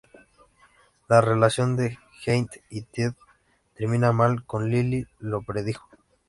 La relación de Jeanette y Ted termina mal, tal como Lily lo predijo.